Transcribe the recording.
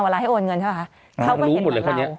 ให้โอนเงินใช่ป่ะคะเขาก็เห็นหมดเลย